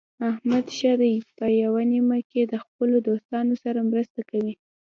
احمد ښه دی په یوه نیمه کې د خپلو دوستانو سره مرسته کوي.